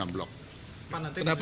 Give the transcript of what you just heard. bagaimana pertimbangannya juga